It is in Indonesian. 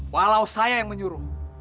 walau saya yang menyuruh